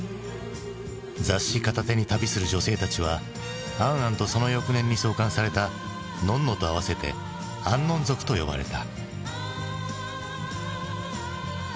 雑誌片手に旅する女性たちは「ａｎ・ａｎ」とその翌年に創刊された「ｎｏｎ−ｎｏ」と合わせて「アンノン族」と呼ばれた。